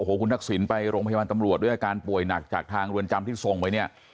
คุณทักษิณไปโรงพยาบาลตำรวจด้วยอาการป่วยหนักจากทางเรือนจำที่ส่งไปเนี่ย